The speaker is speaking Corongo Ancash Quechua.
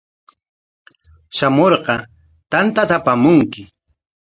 Shamurqa tantata apamunki.